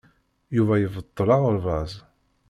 Yuba yebṭel aɣerbaz.